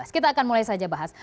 kita akan mulai saja bahas